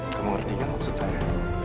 kamu ngerti kan maksud saya